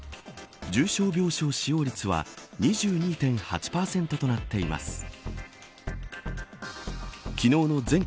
重症病床使用率は２２．８％となっています。